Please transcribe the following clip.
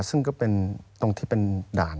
ซึ่งก็เป็นตรงที่เป็นด่าน